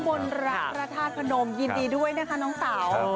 พระธาตุพระนมยินดีด้วยนะคะน้องเต๋า